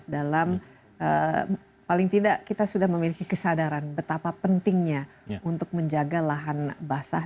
dalam paling tidak kita sudah memiliki kesadaran betapa pentingnya untuk menjaga lahan basah